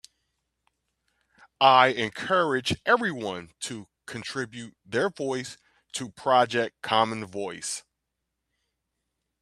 I encourage everyone to contribute their voice to Project Common Voice.